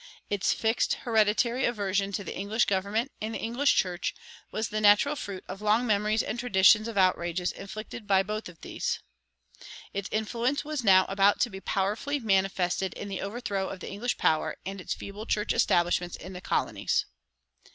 Its fixed hereditary aversion to the English government and the English church was the natural fruit of long memories and traditions of outrages inflicted by both these; its influence was now about to be powerfully manifested in the overthrow of the English power and its feeble church establishments in the colonies.